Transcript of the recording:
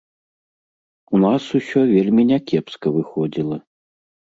У нас усё вельмі някепска выходзіла.